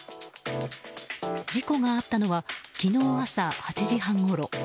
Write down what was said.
事故があったのは昨日朝８時半ごろ。